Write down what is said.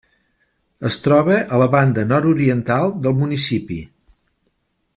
Es troba a la banda nord-oriental del municipi.